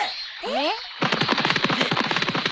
えっ。